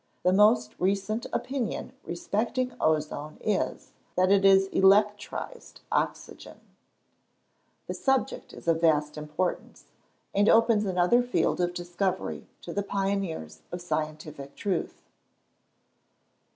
The most recent opinion respecting ozone is, that it is electrized oxygen. The subject is of vast importance, and opens another field of discovery to the pioneers of scientific truth.